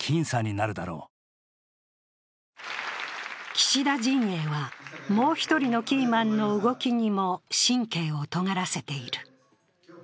岸田陣営はもう１人のキーマンの動きにも神経をとがらせている。